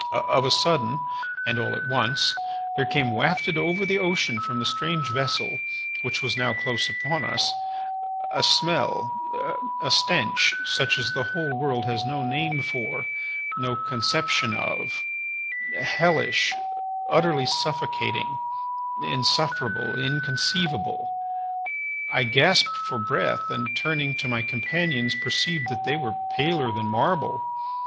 Of a sudden, and all at once, there came wafted over the ocean from the strange vessel (which was now close upon us) a smell, a stench, such as the whole world has no name for—no conception of—hellish—utterly suffocating—insufferable, inconceivable. I gasped for breath, and turning to my companions, perceived that they were paler than marble.